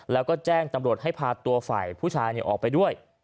แล้วก็แจ้งตำรวจให้พาตัวฝ่ายผู้ชายออกไปด้วย